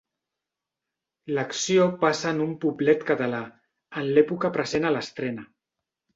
L'acció passa en un poblet català, en l'època present a l'estrena.